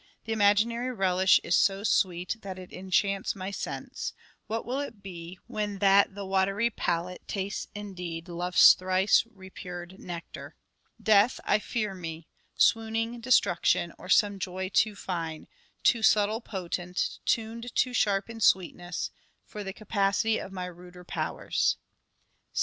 The imaginary relish is so sweet That it enchants my sense: what will it be When that the watery palate tastes indeed Love's thrice repured nectar ? death, I fear me Swooning destruction, or some joy too fine, Too subtle potent, tuned too sharp in sweetness, For the capacity of my ruder powers." (III.